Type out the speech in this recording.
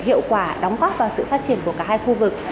hiệu quả đóng góp vào sự phát triển của cả hai khu vực